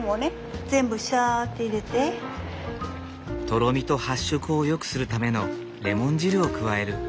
とろみと発色をよくするためのレモン汁を加える。